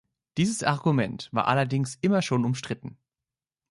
Dieses Argument war allerdings immer schon umstritten.